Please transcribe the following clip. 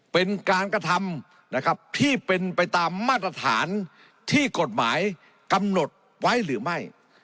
เป็นการกระทำนะครับที่เป็นไปตามมาตรฐานที่กฎหมายกำหนดไว้หรือไม่